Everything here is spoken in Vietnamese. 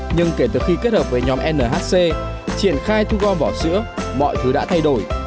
nhưng kể từ khi kết hợp với nhóm nhc triển khai thu gom vỏ sữa mọi thứ đã thay đổi